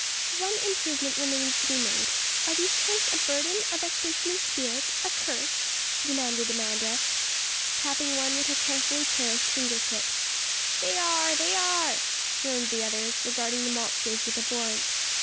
'One improvement remains to be made. Are these trunks a burden, a vexation of spirit, a curse?' demanded Amanda, tapping one with her carefully cherished finger tips. 'They are! they are!' groaned the others, regarding the monsters with abhorrence.